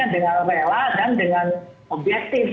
dengan rela dan dengan objektif